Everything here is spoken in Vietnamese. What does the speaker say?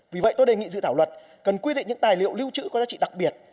vì vậy tôi đề nghị dự thảo luật cần quy định những tài liệu lưu trữ có giá trị đặc biệt